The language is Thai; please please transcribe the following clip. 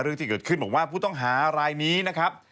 เรื่องที่เกิดขึ้นบอกว่าผู้ต้องหารายนี้นะครับ